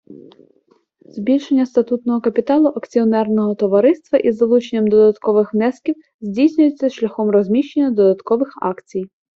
Збільшення статутного капіталу акціонерного товариства із залученням додаткових внесків здійснюється шляхом розміщення додаткових акцій.